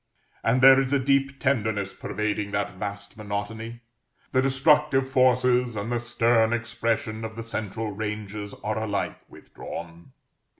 And there is a deep tenderness pervading that vast monotony. The destructive forces and the stern expression of the central ranges are alike withdrawn.